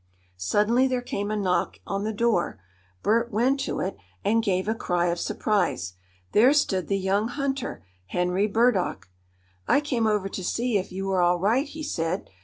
Suddenly there came a knock on the door. Bert went to it and gave a cry of surprise. There stood the young hunter Henry Burdock. "I came over to see if you were all right," he said.